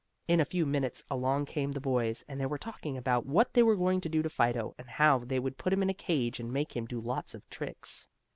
In a few minutes along came the boys, and they were talking about what they were going to do to Fido, and how they would put him in a cage, and make him do lots of tricks.